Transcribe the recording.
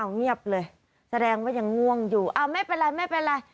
เงียบเลยแสดงว่ายังง่วงอยู่อ้าวไม่เป็นไรไม่เป็นไร